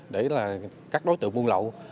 để là các đối tượng buôn lậu